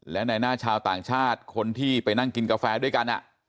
และในหน้าชาวต่างชาติคนที่ไปนั่งกินกาแฟด้วยกัน